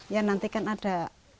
ya nanti kan ada